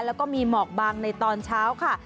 แล้วก็มีหมอกบางในตอนเช้าค่ะ